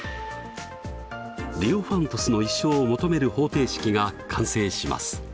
ディオファントスの一生を求める方程式が完成します。